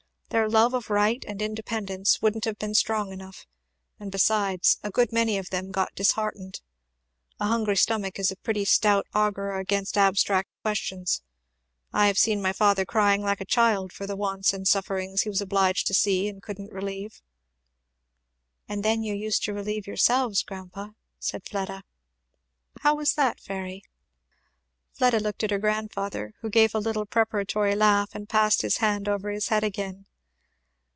Their love of right and independence wouldn't have been strong enough, and besides a good many of them got disheartened. A hungry stomach is a pretty stout arguer against abstract questions. I have seen my father crying like a child for the wants and sufferings he was obliged to see and couldn't relieve." "And then you used to relieve yourselves, grandpa," said Fleda. "How was that, Fairy?" Fleda looked at her grandfather, who gave a little preparatory laugh and passed his hand over his head again.